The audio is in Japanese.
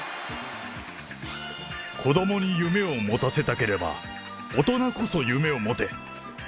子どもに夢を持たせたければ、大人こそ夢を持て。